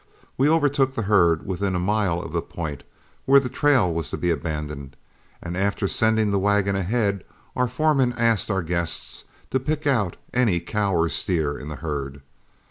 We overtook the herd within a mile of the point where the trail was to be abandoned, and after sending the wagon ahead, our foreman asked our guests to pick out any cow or steer in the herd.